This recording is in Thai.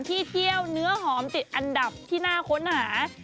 ที่เที่ยวเนื้อหอมติดอันดับที่น่าค้นหา